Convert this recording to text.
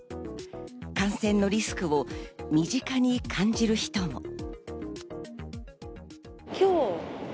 感染のリスクを身近に感じる人も。